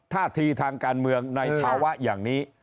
ท่าทีทางการเมืองในภาวะอย่างนี้